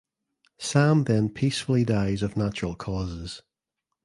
Sam then peacefully dies of natural causes.